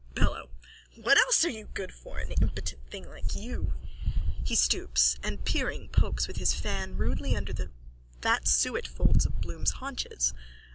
BELLO: What else are you good for, an impotent thing like you? _(He stoops and, peering, pokes with his fan rudely under the fat suet folds of Bloom's haunches.)